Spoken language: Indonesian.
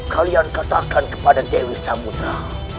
kalian katakan kepada dewi samudera